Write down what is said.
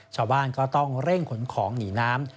ชาวบ้านก็ต้องเร่งขนของหนีน้ำ